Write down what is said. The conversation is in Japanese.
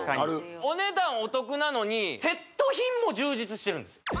お値段お得なのにセット品も充実してるんです